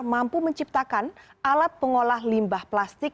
mampu menciptakan alat pengolah limbah plastik